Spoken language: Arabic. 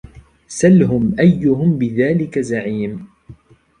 سلهم أيهم بذلك زعيم